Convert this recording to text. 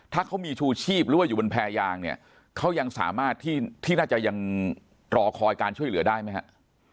ถ้าเขามีชูชีพหรือว่าอยู่บนแพรยางเนี่ยเขายังสามารถที่น่าจะยังรอคอยการช่วยเหลือได้ไหมฮะ